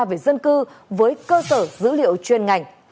về dân cư với cơ sở dữ liệu chuyên ngành